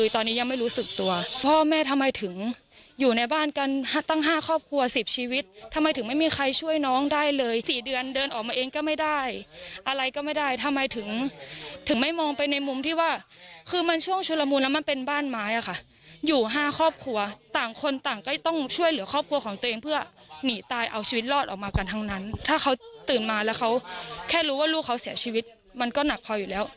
ทำไมถึงอยู่ในบ้านกันตั้งห้าครอบครัวสิบชีวิตทำไมถึงไม่มีใครช่วยน้องได้เลยสี่เดือนเดินออกมาเองก็ไม่ได้อะไรก็ไม่ได้ทำไมถึงไม่มองไปในมุมที่ว่าคือมันช่วงชุลมูลแล้วมันเป็นบ้านไม้อ่ะค่ะอยู่ห้าครอบครัวต่างคนต่างก็ต้องช่วยเหลือครอบครัวของตัวเองเพื่อหนีตายเอาชีวิตรอดออกมากันทั้งนั้นถ้าเขาตื่นมาแล้ว